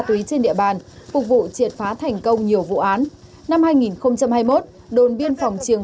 túy trên địa bàn phục vụ triệt phá thành công nhiều vụ án năm hai nghìn hai mươi một đồn biên phòng triềng